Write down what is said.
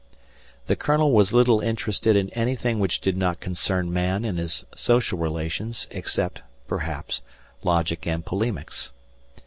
The Colonel was little interested in anything which did not concern man in his social relations except, perhaps, logic and polemics.